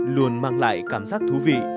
luôn mang lại cảm giác thú vị